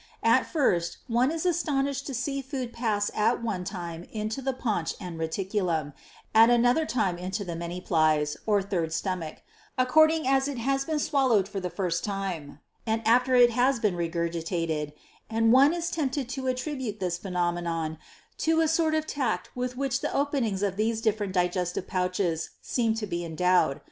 7. At first, one is astonished to see food pass at one time into the paunch and reticulum, at another into the many piles, (third stomach,) according as it has been swallowed for the first time, or after it has been regurgitated, and one is tempted to attribute this phenomenon to a sort of tact with which the openings of these different digestive pouches seem to be endowed.